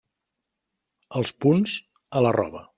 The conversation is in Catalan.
Els punts, a la roba.